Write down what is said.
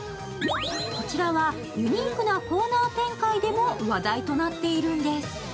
こちらはユニークなコーナー展開でも話題となっているんです。